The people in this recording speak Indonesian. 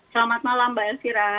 selamat malam mbak elvira